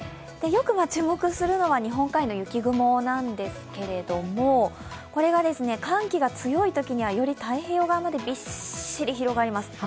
よく注目するのは日本海の雪雲なんですけれども、これが、寒気が強いときにはより太平洋側までびっしり広がります。